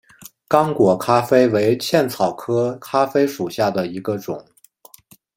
刚果咖啡为茜草科咖啡属下的一个种。